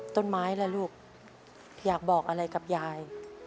ต้นไม้ล่ะลูกอยากบอกอะไรกับยาย